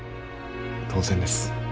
当然です。